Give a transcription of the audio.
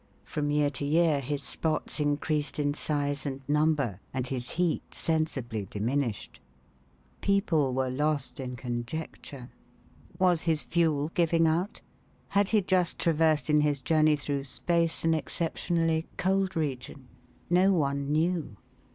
From year to year his spots increased in size and number, and his heat sensibly diminished. People were lost in conjecture. Was his fuel giving out? Had he just traversed in his journey through space an exceptionally cold region? No one knew.